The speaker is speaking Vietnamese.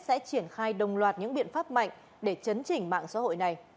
sẽ triển khai đồng loạt những biện pháp mạnh để chấn chỉnh mạng xã hội này